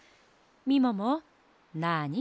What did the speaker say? みももなに？